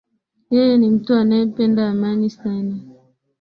Yeye ni mtu anayependa amani sana.